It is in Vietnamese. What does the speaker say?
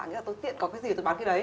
nghĩa là tôi tiện có cái gì tôi bán cái đấy